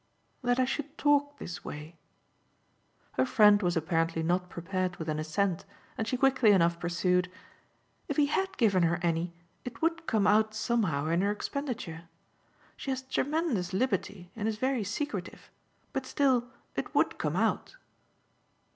"That I should talk this way." Her friend was apparently not prepared with an assent, and she quickly enough pursued: "If he HAD given her any it would come out somehow in her expenditure. She has tremendous liberty and is very secretive, but still it would come out."